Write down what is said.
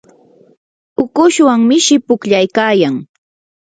ukushwan mishi pukllaykayan.